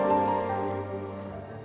kakak kecewa sama kamu